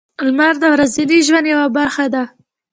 • لمر د ورځني ژوند یوه برخه ده.